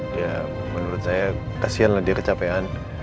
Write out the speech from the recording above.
ya menurut saya kasihan lah dia kecapean